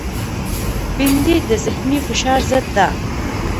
بېنډۍ د ذهنی فشار ضد ده